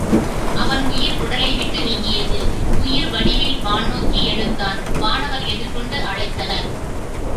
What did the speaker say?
அவன் உயிர் உடலைவிட்டு நீங்கியது உயிர் வடிவில் வான் நோக்கி எழுந்தான் வானவர் எதிர்கொண்டு அழைத்தனர்.